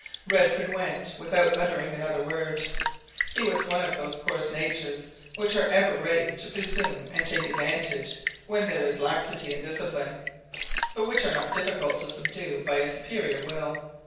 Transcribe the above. Redford went, without uttering another word. His was one of those coarse natures which are ever ready to presume and take advantage when there is laxity in discipline, but which are not difficult to subdue by a superior will.